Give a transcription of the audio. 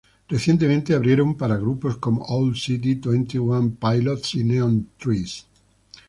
Recientemente abrieron para grupos como Owl City, Twenty One Pilots y Neon Trees.